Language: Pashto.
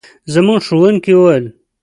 زموږ ښوونکي وویل.